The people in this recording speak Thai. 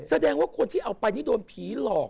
แสดงว่าคนที่เอาไปนี่โดนผีหลอก